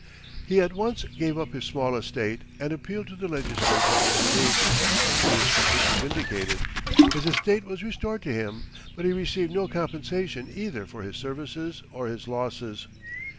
He at once gave up his small estate, and appealed to the legislature for relief. He was completely vindicated; his estate was restored to him; but he received no compensation either for his services or his losses.